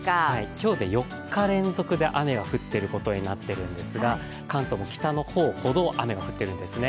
今日で４日連続で雨が降ってることになるんですが関東の北の方ほど雨が降ってるんですね。